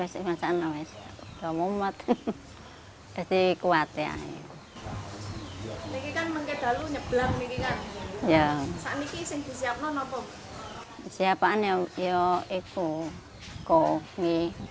saya masih menggunakan aneh kuning